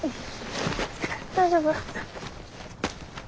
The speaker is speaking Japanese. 大丈夫？